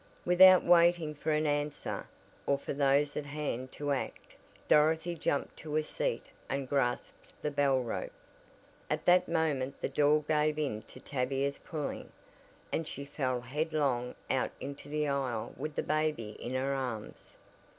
Without waiting for an answer, or for those at hand to act, Dorothy jumped to a seat and grasped the bell rope. At that moment the door gave in to Tavia's pulling, and she fell headlong out into the aisle with the baby in her arms.